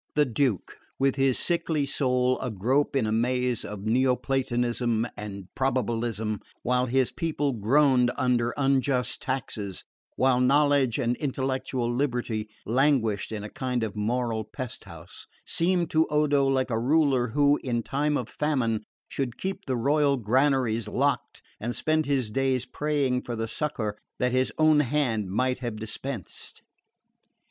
The Duke, with his sickly soul agrope in a maze of Neoplatonism and probabilism, while his people groaned under unjust taxes, while knowledge and intellectual liberty languished in a kind of moral pest house, seemed to Odo like a ruler who, in time of famine, should keep the royal granaries locked and spend his days praying for the succour that his own hand might have dispensed.